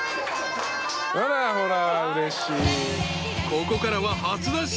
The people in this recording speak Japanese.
［ここからは初出し。